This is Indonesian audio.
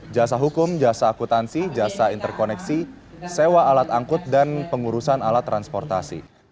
jasa hukum jasa akutansi jasa interkoneksi sewa alat angkut dan pengurusan alat transportasi